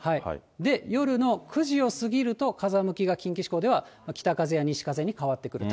で、夜の９時を過ぎると、風向きが近畿地方では、北風や西風に変わってくる。